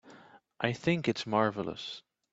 I think it's marvelous.